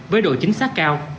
với độ chính xác cao